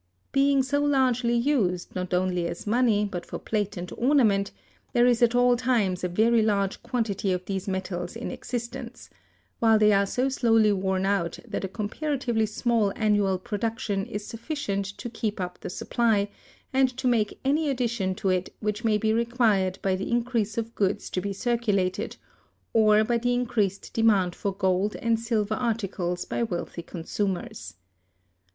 Being so largely used, not only as money but for plate and ornament, there is at all times a very large quantity of these metals in existence: while they are so slowly worn out that a comparatively small annual production is sufficient to keep up the supply, and to make any addition to it which may be required by the increase of goods to be circulated, or by the increased demand for gold and silver articles by wealthy consumers.